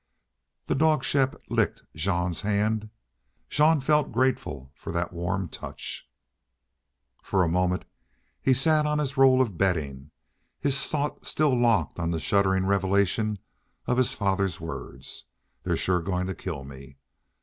The dog Shepp licked Jean's hand. Jean felt grateful for that warm touch. For a moment he sat on his roll of bedding, his thought still locked on the shuddering revelation of his father's words, "They're shore goin' to kill me."